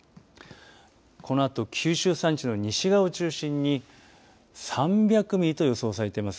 このあと九州山地の西側を中心に３００ミリと予想されています。